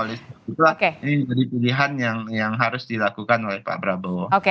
itulah ini jadi pilihan yang harus dilakukan oleh pak prabowo